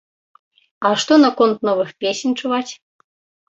А што наконт новых песень чуваць?